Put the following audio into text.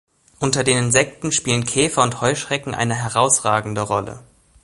Unter den Insekten spielen Käfer und Heuschrecken eine herausragende Rolle.